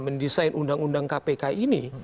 mendesain undang undang kpk ini